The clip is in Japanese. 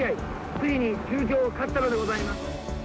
ついに中京勝ったのでございます。